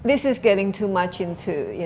ini terlalu banyak